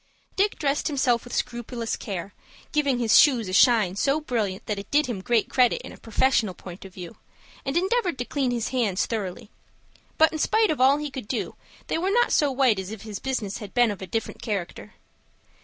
Dick dressed himself with scrupulous care, giving his shoes a "shine" so brilliant that it did him great credit in a professional point of view, and endeavored to clean his hands thoroughly; but, in spite of all he could do, they were not so white as if his business had been of a different character.